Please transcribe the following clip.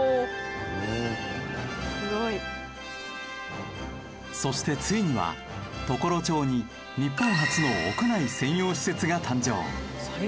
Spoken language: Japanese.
「おお！すごい」そしてついには常呂町に日本初の屋内専用施設が誕生。